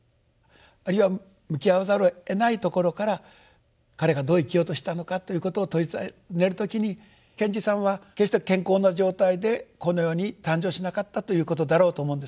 あるいは向き合わざるをえないところから彼がどう生きようとしたのかということをたずねる時に賢治さんは決して健康な状態でこの世に誕生しなかったということだろうと思うんですね。